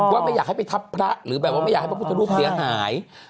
ว่าไม่อยากให้ไปทับพระหรือแบบว่าไม่อยากให้พระพุทธรูปเสียหาย